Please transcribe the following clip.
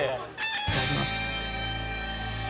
いただきます。